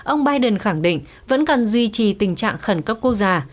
ông biden khẳng định vẫn cần duy trì tình trạng khẩn cấp quốc gia